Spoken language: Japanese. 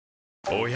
おや？